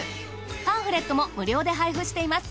パンフレットも無料で配布しています。